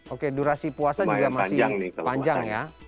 oke durasi puasa juga masih panjang ya